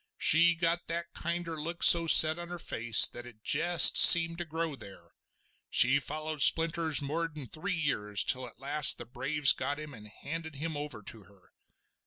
She got that kinder look so set on her face that it jest seemed to grow there. She followed Splinters mor'n three year till at last the braves got him and handed him over to her.